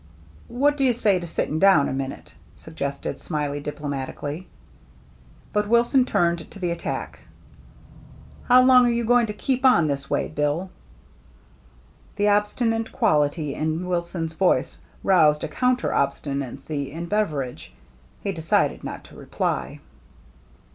"What do you say to sitting down a minute ?" suggested Smiley, diplomatically. But Wilson returned to the attack. " How long are you going to keep on this way. Bill?" The obstinate quality in Wilson's voice roused a counter obstinacy in Beveridge. He decided not to reply.